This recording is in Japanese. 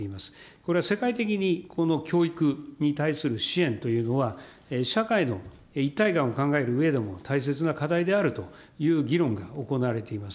これは世界的に教育に対する支援というのは、社会の一体感を考えるうえでも、大切な課題であるという議論が行われています。